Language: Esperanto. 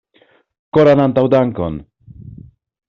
Koran antaŭdankon!